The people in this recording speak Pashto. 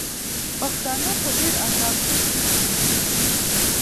پښتانه په ډېر عذاب جنګېدلې.